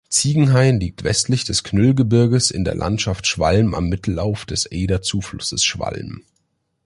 Ziegenhain liegt westlich des Knüllgebirges in der Landschaft Schwalm am Mittellauf des Eder-Zuflusses Schwalm.